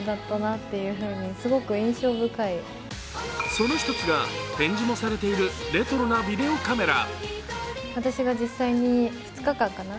その１つが展示もされているレトロなビデオカメラ。